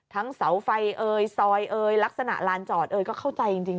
ทั้งเสาไฟซอยลักษณะลานจอดก็เข้าใจจริง